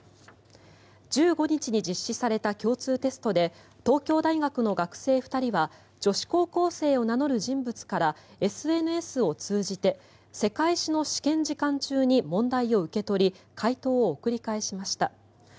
１５日に実施された共通テストで東京大学の学生２人は女子高校生を名乗る人物からＳＮＳを通じて世界史の試験時間中に問題を受け取り解答を送り返しました。